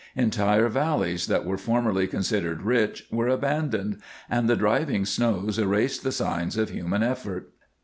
Entire valleys that were formerly considered rich were abandoned, and the driving snows erased the signs of human effort.